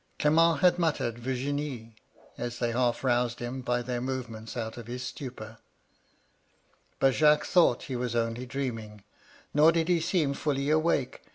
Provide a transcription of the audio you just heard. Clement had muttered * Virginie,' as they half roused him by their movements out of his stupor ; but Jacques thought he was only dreaming ; nor did he seem ftilly awake 186 MY LADY LUDLOW.